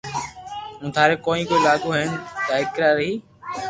ھون ٿاري ڪوئي لاگو ھين ڌاڪر ھي